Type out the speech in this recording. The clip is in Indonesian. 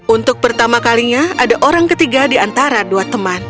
untuk pertama kalinya ada orang ketiga di antara dua teman